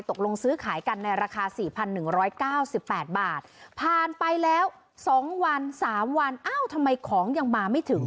ตกลงซื้อขายกันในราคา๔๑๙๘บาทผ่านไปแล้ว๒วัน๓วันเอ้าทำไมของยังมาไม่ถึง